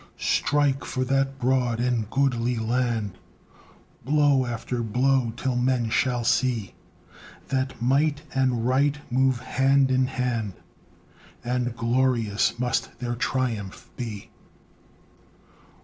Strike, for that broad and goodly land, Blow after blow, till men shall see That Might and Right move hand in hand, And glorious must their triumph be!